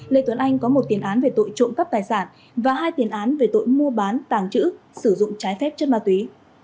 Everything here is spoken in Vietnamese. lê tuấn anh có một tiền án về tội trộm cắp tài sản và hai tiền án về tội mua bán tàng trữ sử dụng trái phép chất ma túy